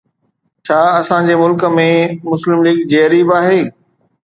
ڇا اسان جي ملڪ ۾ مسلم ليگ جيتري به آهي؟